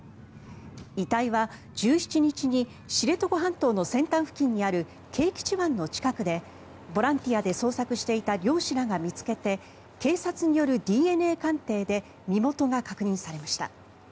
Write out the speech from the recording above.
遺体は１７日に知床半島の先端付近にある啓吉湾の近くでボランティアで捜索していた漁師らが見つけて警察によるＤＮＡ鑑定で身元が確認されました。